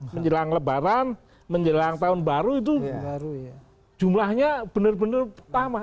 menjelang lebaran menjelang tahun baru itu jumlahnya benar benar sama